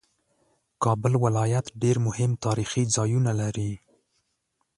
کابل ولایت ډېر مهم تاریخي ځایونه لري